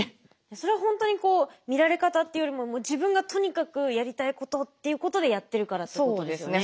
それ本当に見られ方というよりも自分がとにかくやりたいことっていうことでやってるからっていうことですよね。